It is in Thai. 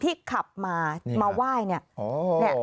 ขับมามาไหว้เนี่ย